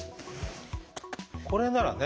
これならね。